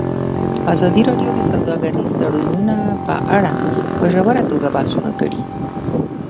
ازادي راډیو د سوداګریز تړونونه په اړه په ژوره توګه بحثونه کړي.